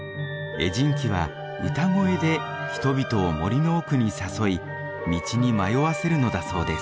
エジンキは歌声で人々を森の奥に誘い道に迷わせるのだそうです。